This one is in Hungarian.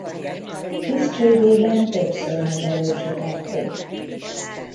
Tisztségében többször megerősítették.